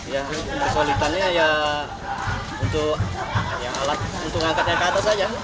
ya persulitannya ya untuk alat untuk ngangkatnya ke atas aja